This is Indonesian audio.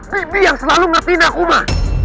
bibi yang selalu ngertiin aku ma